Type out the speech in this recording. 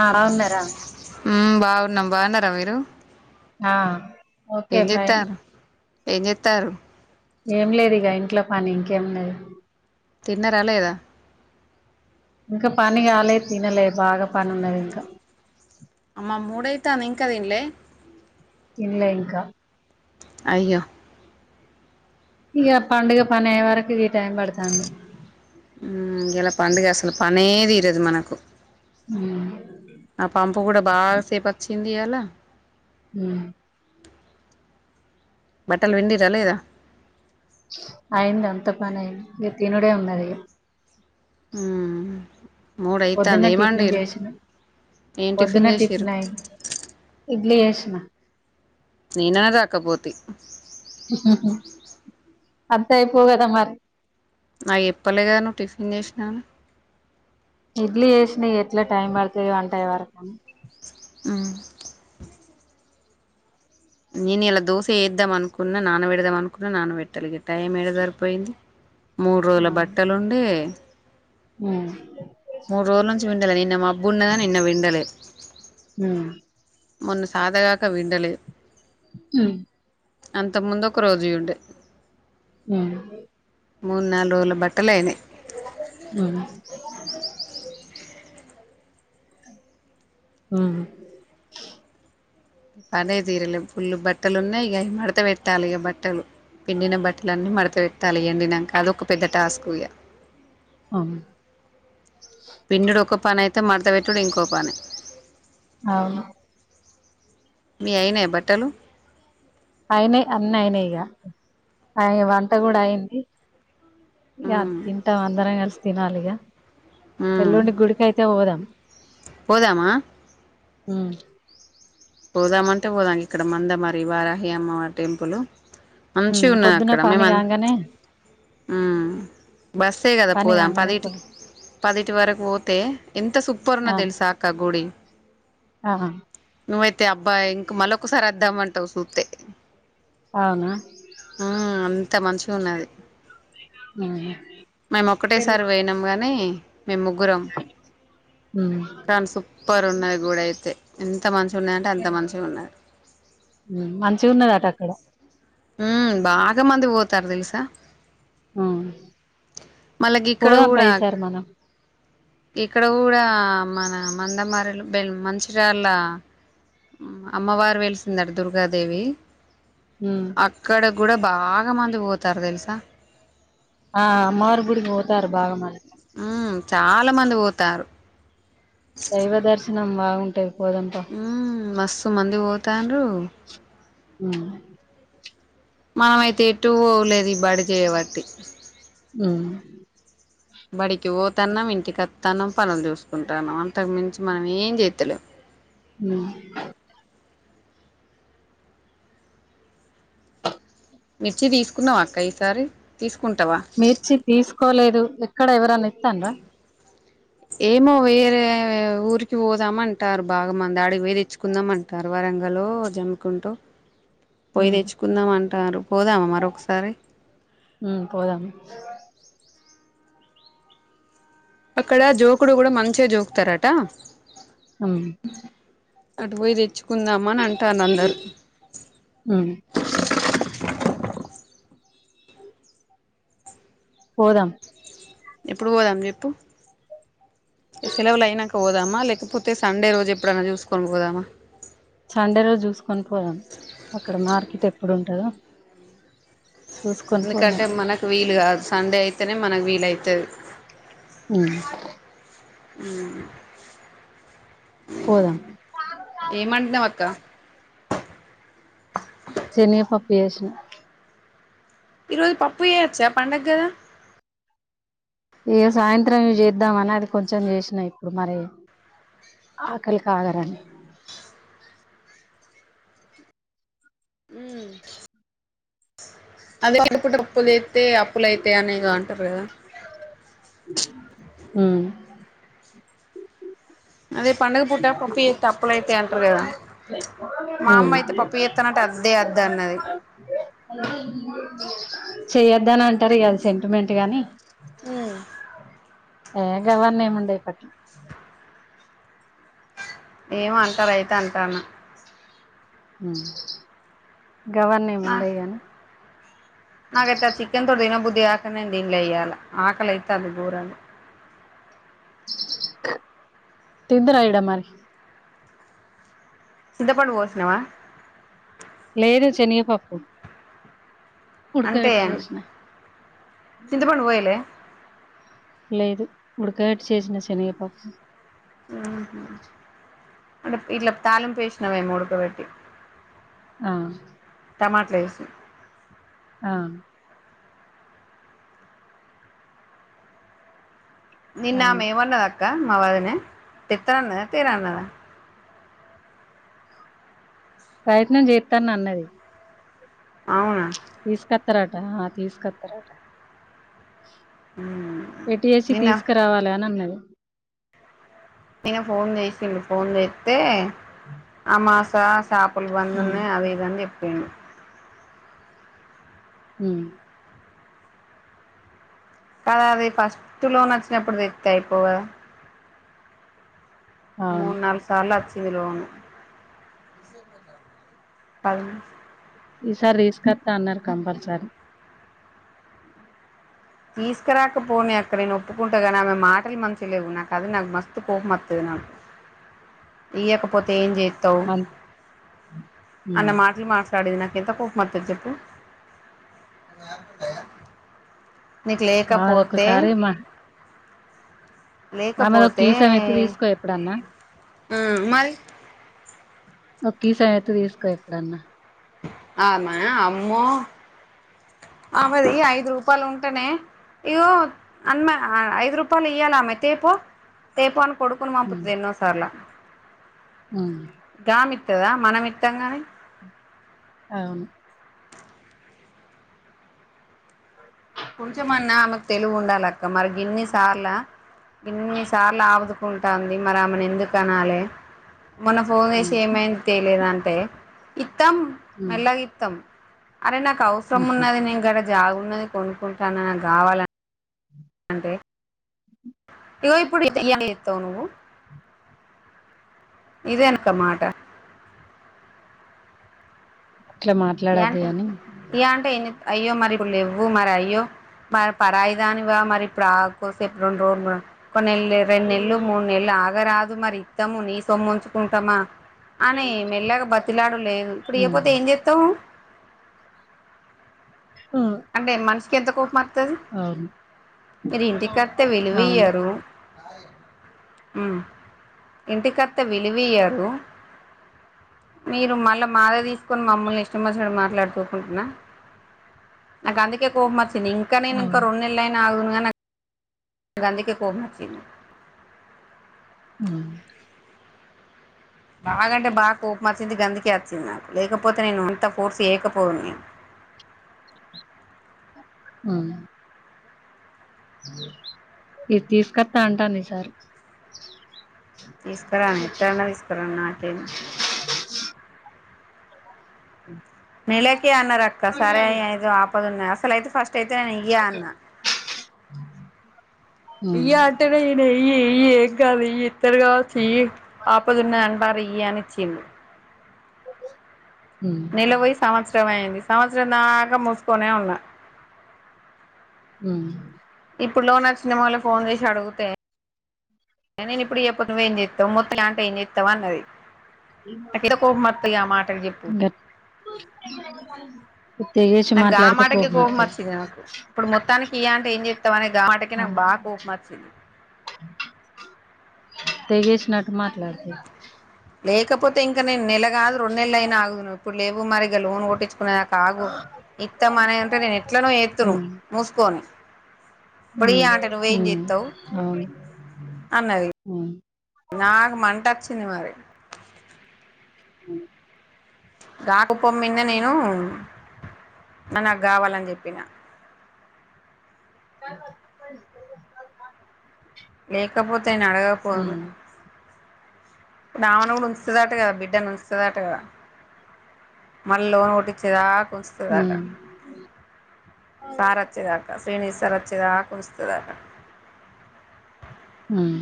ఆ ఉన్నారా మ్మ్ బాగున్నాం బాగున్నారా మీరు ఆ ఓకే ఏం ఫైన్ చేత్తారు ఏం జెత్తరు ఏం లేదు ఇక ఇంట్లో పని ఇంకేమి ఉన్నది. తిన్నరా లేదా ఇంకా పని కాలే తినలే బాగా పని ఉన్నది ఇంక అమ్మా మూడైతంది ఇంకా తిన్లే తిన్లే ఇంకా అయ్యో ఇగ పండుగ పనయ్యే వరకు గీ టైం పడతాంది మ్మ్ ఇలా పండుగ అసలు పం నే దిరాదు మనకు మ్మ్ ఆ పంపు కూడా బాగా సేపు ఆచ్చింది ఇయాల హ్ బట్టల్ పిండిండ్రా లేదా అయింది అంతా పనైయింది. ఇగా తినుడే ఉన్నది ఇగా ఉమ్ పొద్దున్న టిఫిన్ చేసిన ఏం పొద్దున్న చేసిర్రు టిఫిన్ అయింది. ఇడ్లీ చేసిన నేనా రక పోతి అత్తాయి. పో గాదా మరి నాకు చేప్పలే గాదా నువ్వు టిఫిన్ చేసినా అని ఇడ్లీ చేసిన ఎట్లా టైం పడుతది వంటాయి వరకు అనీ హ్ నేను ఇయాలా దోశ చేద్దాం. అనుకున్నా నాన పెడదాం అనుకున్నా నాన పెట్టాలే ఇగ టైం ఎడ జరిపోయింది. మూడు రోజుల బట్టలుండే హ్ మూడు రోజుల నుంచి విండలే నిన్న అబ్బున్నదానీ నిన్న విండలే హ్ మొన్న సాత గాక పిండలే హ్ అంత ముందు ఒక రోజుయి ఉండే హ్ మూడు నాలుగు రోజుల బట్టలు అయినాయి. హ్ హ్ పనే తీరలే పుల్లు బట్టలు ఉన్నాయి. ఇక మడత పెట్టాలి ఇగా బట్టలు పిండిన బట్టల అన్నీ మడత పెట్టాలి ఎండి నంక అదొక ఒక పెద్ద టాస్క్ ఇగా అవున్ పిండుడు ఒక పని అయితే మడత పెట్టుడు ఇంకో పని అవును మీ అయినాయా బట్టలు అయినయి అన్నీ అయినా ఇగా అ ఇగ వంట కూడా అయ్యింది. ఇగా ఉమ్. తింటాం అందరం కలిసి తినాలిగా ఎల్లుండి గుడికి అయితే పోదాం పోదమా హ్ పోదామంటే పోదాం ఇక్కడ మందమర్రి వారాహి అమ్మావారి టెంపుల్ ఉమ్ మంచిగా ఉన్నది పొద్దున అక్కడ పని మేము కాంగానే ఉమ్ బస్సే కదా పని పోదాం కాంగానే పో పదిటి పదిటి వరకు పోతే ఎంత సూపర్న్నా తెలుసా అక్క గుడి అహా నువ్వైతే అబ్బాయి ఇంక మళ్ళకసారి వద్దామంటావు చూస్తే అవునా ఉమ్ అంత మంచిగా ఉన్నది ఉమ్ మేము ఒకక్కటేసారి వనాం గాని మేము ముగ్గురం ఉమ్ కానీ సూపర్ ఉన్నది గడ అయితే స్తమ ఉమ్ మంచి ఉన్నదట అక్కడ ఉమ్ బాగా మంది పోతారు తెలుసా ఆ మళ్ళకి ఇక్కడ పోదం కూడా పైసారు మనం ఇక్కడ కూడా మన మందమారి మంచిరాళ్ళ అమ్మవారు వెలిసింద దుర్గాదేవి ఉమ్ అక్కడ కూడా బాగా మంది పోతారు తెలుసా ఆ మారుపుడికి పోతారు బాగా మ ఆ చాలా మంది పోతారు మం బాగుంటా్ పోదంట కొమంది పోతారు ఉమ్ మనంమయితే ఎటు పోవలేదు ఇది బడికియబట్టి ఉమ్ బడికి పోతాన్నాం ఇంటికి వస్తాన్నాం పనులు చూసుకుంటాను అంతకుమించి మనం ఏం చేతలేం ఉమ్ మిర్చి తీసుకున్నాం అక్క ఈసారి తీసుకు మిర్చి తీసు కోలేదు ఎక్కడ ఎవరని ఇస్తాన రా ఏమో వేరే ఊరికి పోదామంటారు బాగా మంది అడిగి పోయ తెచ్చుకుందామంటారు వరంగలో జముకుంటూ పోయి ఉమ్ తెచ్చుకుందాం అం టారు పోదామా మరికసారి ఉమ్ పోదాం అక్కడ జోకుడు కూడా మంచిగా జోకుతారట ఉహుమ్ అటువయిదచ్చు కుందామ అంటారును అందరూ ఉమ్ పోధామ్ ఎప్పుడు పోదాం చెపు సలవులైనాకు పోదామ లేకపోతే సండే రోజు ఎప్పుడైన్నా చూసుకొని పోదామా చండే రోజు చూసుకొని పోలేం అక్కడ మార్కెట్ ఎప్పుడుంటంది థ ఎందుకంటే మనకు వీలు కాదు సండే అయితేనే మనకు వీలవుతుంది అ పోదాం అ ఏమంటావ్ అక్క సని పా పయేసిన ఈరోజు పప్పుయేచ్చా పండగదా ఏ సాయంత్రం చేద్దామ అని అది కొంచెం చేసినాయి ఇప్పుడు మరి ఆకలికీ ఆగారని అ అదే కడుపుటప్పులు అయితే అప్పుల అైతే అనే కా రా హ అదే పండగ పూట పప్పు చేసే అప్పులై తింటారు కదా మా ఉమ్ అమ్మ అయితే పప్పు చేస్తానంటే అద్దే అద్ద అన్నది చేయొద్దని అంటారు కదుా సెంటిమెంట్ గాని ఏ గవాన్న ఏముండయి పట్ ఏమ అంటారు అయితే అంటారు అ గవర్న్న ఏమి ఉండేయి గాని నాగైతే ఆ చికెన్ తోడు దిన బుద్ధి ఆకనే దన్లే అయ్యాల ఆకలైత అది బఊరం తిందరాయిడ మరి చింత పడు పోసినవా లేదు శనియపప్పు అంటే చింతపండు పోయలే లేదు ఇప్పుడు కేట్ చేసిన సనగ పాప అంట ఇట్లా తాలం పేషినమేముడుక పెటి ఆ టమాటలు వేసి ఆ నిన్న ఆ అవును మేమన్నా మవాదిన తిత్తన్నదా తీరాన్నదా ప్రయత్నం చేస్తాను అన్నది అవునా. తీసుకత్తారట ఆహ్ తీసుకత్తారట. ఎసి నిన్న తీసుకురావాలి అని అన్నది. నిన్న ఫోన్ చేసిండు ఫోన్ చేస్తే. ఉమ్. మాసా సబ్. పుల్ బంద్ ఉన్నాయి అది ఇది అని చెప్పు. ఉమ్. ఉమ్. కదా అది ఫస్ట్ లో నచ్చినప్పుడు తెస్తే అయిపోవు కదా. అవును మూడు నాలుగు సార్లు వచ్చు. సివలోన్ అదీ. ఈసారి తీసుకొస్తా అన్నారు కంపల్సరీ. తీసుకురాకపోని అక్కడ నేను ఒప్పుకుంటా కాని ఆమె మాటలు మంచిగ లేవు. నాకు అది నాకు మస్తు కోపం వస్తాదీ. నాకు ఇయ్యకపోతే ఏం చేత్ మన్ అన్న ఉమ్, మాటలు మాట్లాడింది నాకు. ఎంత కోపం వత్తది చెప్పు. నీకు లేకపోతే అదొకసారి మా. ఆమెది ఒ లేకపోతే కీసో ఎపు తీసుకో ఎప్పుడన్నా. ఉమ్ మరి. ఒ కిసో అయితే తీసుకో ఎప్పుడన్నా. ఆమె అమ్మో ఆమది ఐదు రూపాయలు ఉంటేనే ఇగో అమ్మ ఐదు రూపాయలు ఇయ్యాల ఆమే తేపో తేపో అనుకో. కొడుకును ఉమ్, పంపించింది ఎన్నో సార్లో. ఉమ్, కమిత్. కదా మనంమిత్తంగాని. అవును. కొంచెమన్నా ఆమెకు తెలివి ఉండాలక్క మరి గిన్ని సార్లా. ఇన్ని సార్ల అవ్వదు. కుంటంది మరి ఆమెను ఎందుకు అనాలి. మొన్న ఫోన్ చేసి ఉమ్, ఏమైంది తెలేదంటే. ఇత్తం ఉమ్, మెల్లగా ఇత్తం. అరే నాకవసరం ఉహు, ఉన్నది నేను గరే. జాగున్నది. కొనుకుంటాన నాకు కావాలని. అంటే. ఇగో ఇప్పుడు ఎత్త ఎత్తావు నువ్వు. ఇదేనక మాట. అట్లా ఇయా మాట్లాడోదే అంటే అని. ఇయా అంటే ఎన్ని అయ్యో మరి ఇప్పుడు లేవ్వు మరి అయ్యో మరి పరాయి దానివా మరి ఇప్పుడు ఆగు కోసేపు రెండు రోజులు. కోనేల్లు రెం నెళ్లు మూడు నెళ్లు ఆగరాదు. మరి ఇత్తము నీ సొమ్ము ఉంచుకుంటామా. అని మెల్లాగా బతిలాడు లేదు ఇప్పుడు ఉమ్, ఇయ్యకపోతే ఏం చెత్. త్తా ఉ, అంటే మనసు కెంత కోపంమత్ తది, అవును మీరు అవును ఇంటికత్తే అవును విలువయ్యరు మ్మ్ ఇంటికత్తే విలువియ్యరు మీరు మళ్ళా మాదే తీసుకొని మమ్మల్ని నాకు అందుకే కోపం వచ్చి నేన్ ఇంకా నేనింకా అవును రెండు నెళ్ళైనా ఆగుదును అవనా ఇప్పుడు అందుకే కోపం వచ్చింది మ్మ్ బాగా అంటే బాగా కోపమచింది గందుకే వచ్చింది నాకు లేకపోతే నేను అంతా ఫోర్స్ చేయకపోదును నేను మ్మ్ ఇది తీసుకత్తా అంటాంది ఈసారి తీస్కరని ఎట్టన్న తీస్కరానీ నాకేంది మ్ నెలక్ కే అన్నార్ అక్క సరే అ ఏదో ఆప్ పాది ఉన్నాయ అసలైతే ఫస్ట్ టైతే నేన్ ఇయ్యా అన్నా ఉమ్ ఇయ్యి ఎమ్ కాద్ ఇయ్యి తిరగా వచ్చి ఇయ్యి పాప తిన్నది అంటార్రు ఇయ్యి అని చిన్ను ఉమ్ నెల పొయి సంవత్సరం అయింది సంవత్సరం దాకా మూసుకోనే ఉన్నా మ్మ్ ఇప్పుడు లోన్ వచ్చిన వాళ్ళు ఫోన్ చేసి అడుగుతే నేను ఇప్పుడు చెప్ప నువేం చెత్ మొత్తలా అంటే ఏం చేత్ ఇత్తవా అన్నది నాకు ఎంత కోపం వత్తది ఆ మాటకు చెప్పు గట్ తెగేసి నాకు గా మాట్లాడితే మాటకే కోపం వత్తది మచ్చింది నాకు ఇప్పుడు మొత్తానికి ఇయ్య అంటే ఏం చెత్తవ్ అనే గా మాటకే నాకు బాగ కోపం మచ్చింది తెగేసినట్టు మాట్లాడుతద్ లేకపోతే ఇంకా నేను నెల కాదు రెండు నెళ్ళైనా ఆగుదును ఇప్పుడు లేవు మరిగ లోన్ ఒకటి కునే కాగు ఇత్తమ అనే అంటే నేను ఎట్లన ఎత్తును మూసుకొని ఇప్పుడు హ్మ్ ఇయ్య అంటే నువ్వేం హ్మ్ చేస్తావు అవును అన్నది హ్మ్ నాకు మంట వచ్చింది మరి హ్మ్ గా కోపం మీదనే నేను నా నాకు కావాలని చెప్పినా [unintelligible] లేకపో తే నేన్ ఉమ్ అడగకపోదును ఉమ్ నావణ కూడా ఉంచుదట కదా బిడ్డ బిడ్డనుంచుదట కదా మళ్ళీ లోన్ ముట్టిచ్చేదాక వస్తదట ఉమ్ సార్ అచ్చేదాక శ్రీనిధి సార్ వచ్చేదాక ఉంచుతదాట ఉమ్